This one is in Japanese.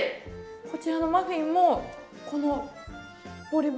こちらのマフィンもこのポリ袋。